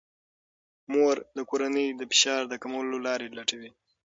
مور د کورنۍ د فشار کمولو لارې لټوي.